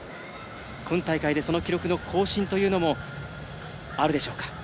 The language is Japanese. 今大会でその記録を更新というのもあるでしょうか。